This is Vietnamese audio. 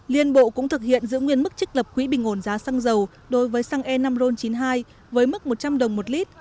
liên bộ cũng thực hiện giữ nguyên mức chức lập quỹ bình ổn giá xăng dầu đối với xăng e năm ron chín mươi hai với mức một trăm linh đồng một lít